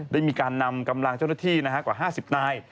ได้มีการนำกำลังเจ้าหน้าที่กว่า๕๐นาย